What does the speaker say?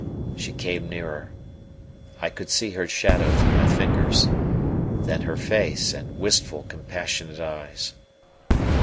She came nearer: I could see her shadow through my fingers; then her face and wistful, compassionate eyes.